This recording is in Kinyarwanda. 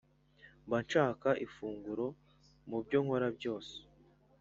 mba nshaka ifunguro mu byo nkora byose